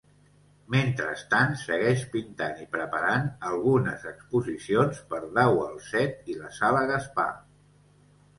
Mentrestant, segueix pintant i preparant algunes exposicions per Dau al Set i la Sala Gaspar.